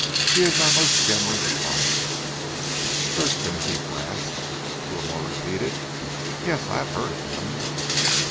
He is our most generous client." "Sir Timothy Brast," Wilmore repeated. "Yes, I have heard of him."